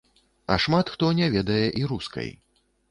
А шмат хто не ведае і рускай.